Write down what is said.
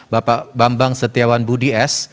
bapak bambang setiawan budi s